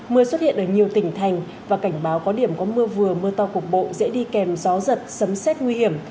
mưa xuất hiện ở nhiều tỉnh thành và cảnh báo có điểm có mưa vừa mưa to cục bộ dễ đi kèm gió giật sấm xét nguy hiểm